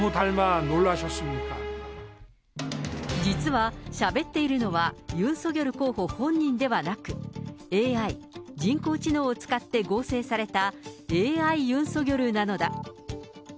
実は、しゃべっているのはユン・ソギョル候補本人ではなく、ＡＩ・人工知能を使って合成された、ＡＩユン・ソギョルなのだ。